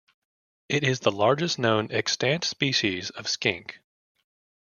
It is the largest known extant species of skink.